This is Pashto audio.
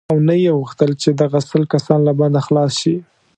او نه یې غوښتل چې دغه سل کسان له بنده خلاص شي.